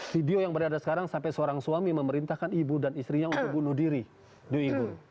video yang berada sekarang sampai seorang suami memerintahkan ibu dan istrinya untuk bunuh diri di ibu